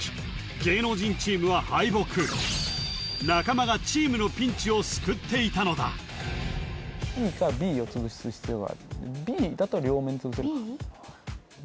芸能人チームは敗北中間がチームのピンチを救っていたのだＢだと両面潰せるかＢ？